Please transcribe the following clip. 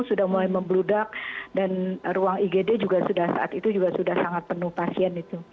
sudah mulai membludak dan ruang igd juga saat itu sudah sangat penuh pasien